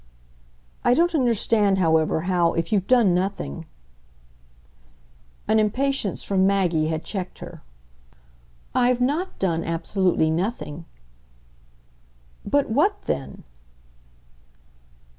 "I don't understand, however, how, if you've done nothing " An impatience from Maggie had checked her. "I've not done absolutely 'nothing.'" "But what then